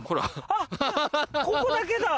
あっここだけが。